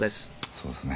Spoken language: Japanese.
「そうですね」